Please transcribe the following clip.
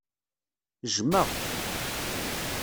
Jmeɣ-k.